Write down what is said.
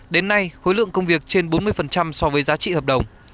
đến nay khối lượng công việc trên bốn mươi so với giá trị hợp đồng